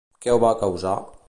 Què ho va causar?